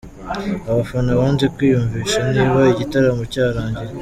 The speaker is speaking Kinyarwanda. Abafana banze kwiyumvisha niba igitaramo cyarangiye.